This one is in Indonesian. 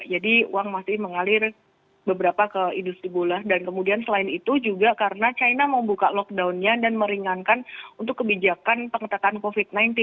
jadi uang masih mengalir beberapa ke industri bola dan kemudian selain itu juga karena china mau buka lockdownnya dan meringankan untuk kebijakan pengetahuan covid sembilan belas